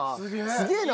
すげえな！